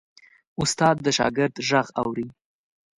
استاد د شاګرد غږ اوري.